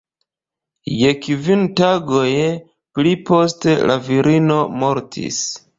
Je kvin tagoj pli poste la virino mortis.